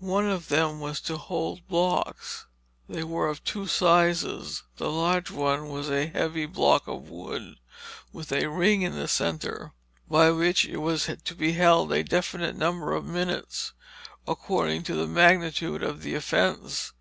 One of them was to hold the blocks. They were of two sizes. The large one was a heavy block of wood, with a ring in the centre, by which it was to be held a definite number of minutes, according to the magnitude of the offence.